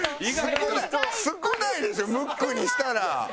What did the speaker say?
少ないでしょムックにしたら。